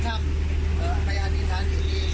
เขาได้เห็นท์ท่ามสรรจาคนจริงแล้ว